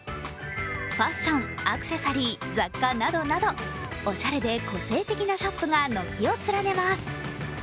ファッション、アクセサリー、雑貨などなどおしゃれで個性的なショップが軒を連ねます。